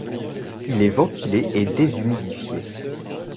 Il est ventilé et déshumidifié.